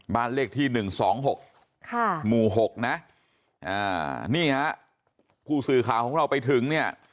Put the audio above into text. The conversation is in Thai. บ้านเลขที่๑๒๖หมู่๖ผู้สื่อข่าวของเราไปถึง